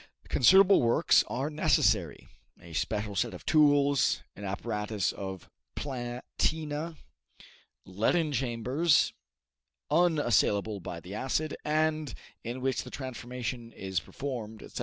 Considerable works are necessary a special set of tools, an apparatus of platina, leaden chambers, unassailable by the acid, and in which the transformation is performed, etc.